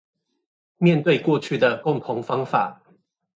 面對過去的共同方法